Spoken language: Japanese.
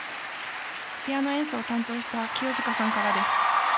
ピアノ演奏を担当した清塚さんからです。